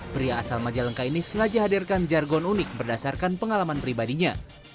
pria asal majalengka ini sengaja hadirkan jargon unik berdasarkan pengalaman pribadinya